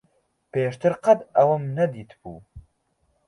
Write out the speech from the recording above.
پێشتر قەت ئەوەم نەدیتبوو.